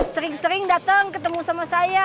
sering sering datang ketemu sama saya